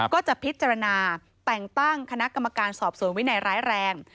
ก็จะพิจารณาแต่งตั้งคณะกรรมการสอบสวนวินัยร้ายแรง